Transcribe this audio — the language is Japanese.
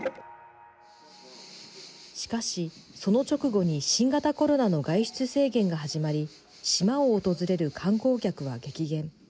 しかし、その直後に新型コロナの外出制限が始まり島を訪れる観光客は激減。